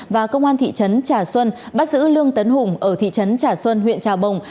và công an thị trấn trà xuân bắt giữ lương tấn hùng ở thị trấn trà xuân huyện trà bồng